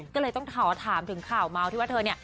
ก็เลยต้องถามถึงข่าวเมาที่ว่าเธอเนี่ย